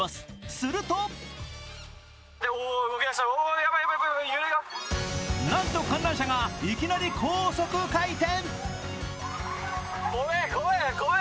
するとなんと観覧車がいきなり高速回転。